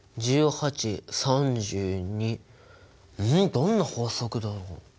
どんな法則だろう？